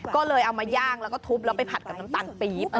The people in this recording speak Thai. ก็เลยเอามาย่างแล้วก็ทุบแล้วไปผัดกับน้ำตาลปี๊บ